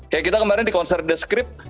kayak kita kemarin di konser the script